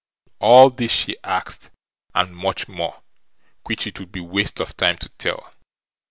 All this she asked and much more, which it would be waste of time to tell.